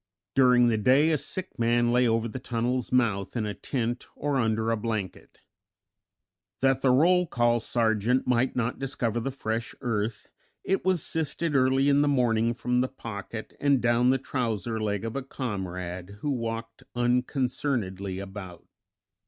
During the day a sick man lay over the tunnel's mouth in a tent or under a blanket. That the roll call sergeant might not discover the fresh earth, it was sifted early in the morning from the pocket and down the trouser leg of a comrade, who walked unconcernedly about.